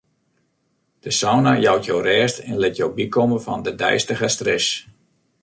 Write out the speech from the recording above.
De sauna jout jo rêst en lit jo bykomme fan de deistige stress.